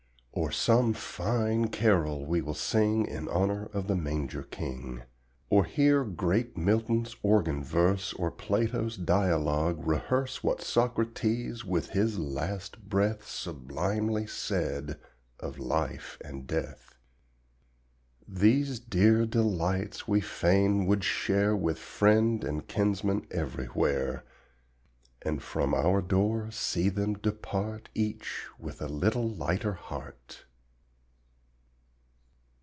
Or some fine carol we will sing In honor of the Manger King, Or hear great Milton's organ verse Or Plato's dialogue rehearse What Socrates with his last breath Sublimely said of life and death. These dear delights we fain would share With friend and kinsman everywhere, And from our door see them depart Each with a little lighter heart.